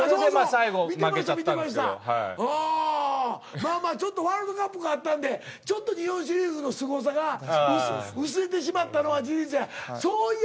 まあまあちょっとワールドカップがあったんでちょっと日本シリーズのすごさが薄れてしまったのは事実や。